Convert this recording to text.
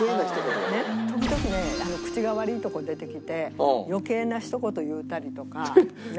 時々ね口が悪いところ出てきて余計なひと言言うたりとかね。